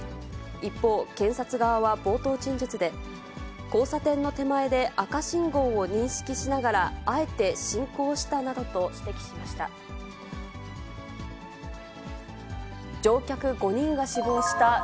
一方、検察側は冒頭陳述で、交差点の手前で赤信号を認識しながらあえて進行したなどと指摘しました。